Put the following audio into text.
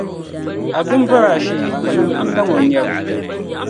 A dima bɔri a shee ka nyini pun daŋ o nyabu.